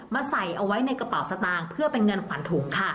ใส่เอาไว้ในกระเป๋าสตางค์เพื่อเป็นเงินขวัญถุงค่ะ